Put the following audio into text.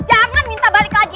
jangan minta balik lagi